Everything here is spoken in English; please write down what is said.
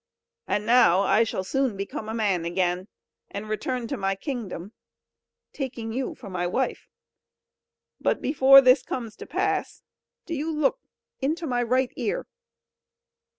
And now I shall soon become a man again, and return to my kingdom, taking you for my wife. But before this comes to pass, do you look into my right ear."